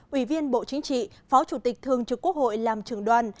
ủy viên bộ chính trị phó chủ tịch thường trực quốc hội làm trường đoàn